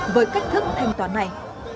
với cách thức thanh toán này